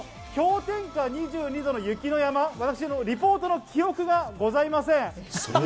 氷点下２２度の雪の山、私のリポートの記憶、ございません。